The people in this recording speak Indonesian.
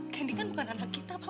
candy kan bukan anak kita pa